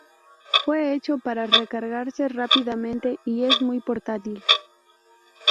Fue hecho para recargarse rápidamente y es muy portátil.